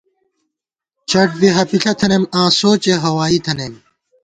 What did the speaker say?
چٹ بی ہَپِݪہ تھنَئیم آں سوچےہوائی تھنَئیم